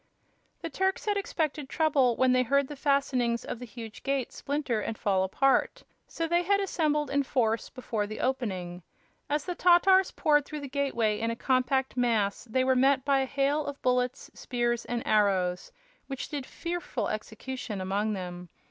The Turks had expected trouble when they heard the fastenings of the huge gate splinter and fall apart, so they had assembled in force before the opening. As the Tatars poured through the gateway in a compact mass they were met by a hail of bullets, spears and arrows, which did fearful execution among them.